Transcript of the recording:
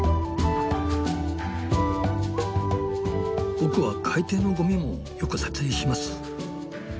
僕は海底のゴミもよく撮影します。